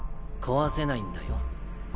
壊せないんだよ